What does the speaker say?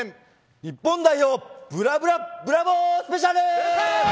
日本代表ブラブラブラボースペシャル！！